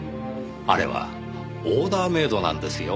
あれはオーダーメイドなんですよ。